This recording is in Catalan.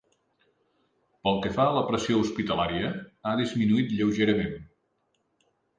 Pel que fa a la pressió hospitalària, ha disminuït lleugerament.